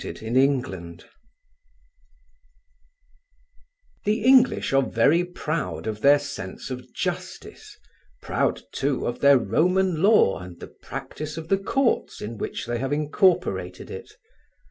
CHAPTER XIV The English are very proud of their sense of justice, proud too of their Roman law and the practice of the Courts in which they have incorporated it.